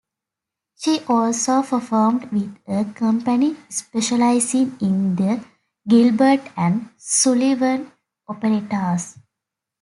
She also performed with a company specializing in the Gilbert and Sullivan operettas.